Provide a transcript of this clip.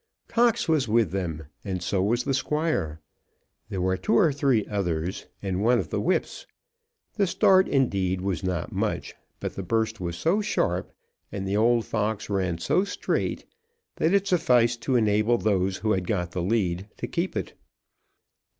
Cox was with them, and so was the Squire. There were two or three others, and one of the whips. The start, indeed, was not much, but the burst was so sharp, and the old fox ran so straight, that it sufficed to enable those who had got the lead to keep it.